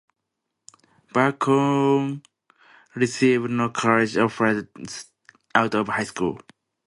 Barcoo received no college offers out of high school.